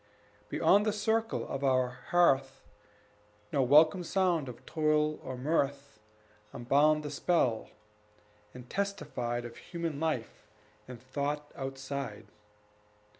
Beyond the circle of our hearth No welcome sound of toil or mirth Unbound the spell, and testified Of human life and thought outside.